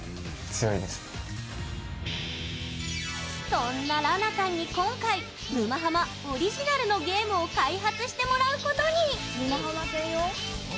そんな、らなさんに今回「沼ハマ」オリジナルのゲームを開発してもらうことに！